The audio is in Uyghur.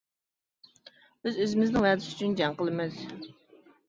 بىز ئۆزىمىزنىڭ ۋەدىسى ئۈچۈن جەڭ قىلىمىز.